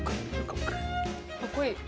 かっこいい。